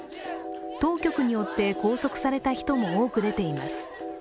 当局によって拘束された人も多く出ています。